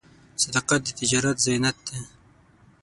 صداقت د تجارت زینت دی.